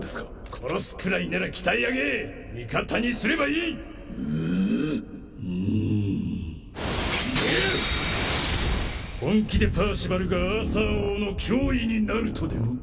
殺すくらいなら鍛え上げ味方にすればいい本気でパーシバルがアーサー王の脅威になるとでも？